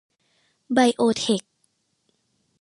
ไบโอเทค